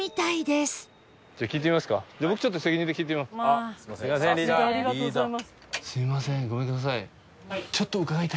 すみませんごめんください。